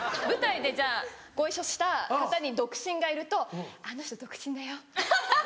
舞台でじゃあご一緒した方に独身がいると「あの人独身だよ。